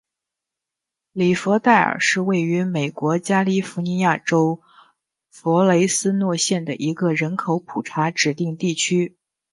里弗代尔是位于美国加利福尼亚州弗雷斯诺县的一个人口普查指定地区。